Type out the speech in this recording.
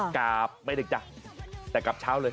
กราบไม่ได้จ้ะแต่กลับเช้าเลย